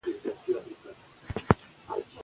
مصنوعي ویډیو کیفیت پرمختګ کوي.